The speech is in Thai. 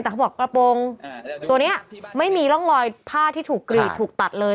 แต่เขาบอกกระโปรงตัวนี้ไม่มีร่องรอยผ้าที่ถูกกรีดถูกตัดเลย